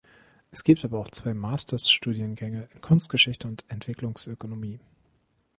Es gibt aber auch zwei Masters-Studiengänge, in Kunstgeschichte und Entwicklungsökonomie.